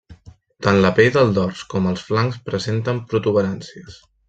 Tant la pell del dors com els flancs presenten protuberàncies.